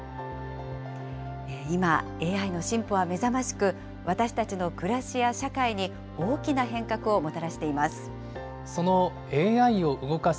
今、ＡＩの進歩はめざましく、私たちの暮らしや社会に大きな変革をもたらしています。